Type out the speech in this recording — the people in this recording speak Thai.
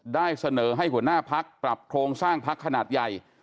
ได้เสนอให้หัวหน้าพักปรับโครงสร้างพักขนาดใหญ่